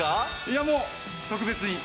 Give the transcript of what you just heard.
いやもう特別に。